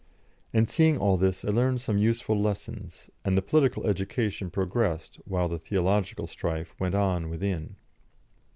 And, seeing all this, I learned some useful lessons, and the political education progressed while the theological strife went on within.